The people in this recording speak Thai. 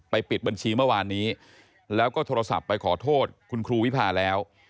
ปิดบัญชีเมื่อวานนี้แล้วก็โทรศัพท์ไปขอโทษคุณครูวิพาแล้ว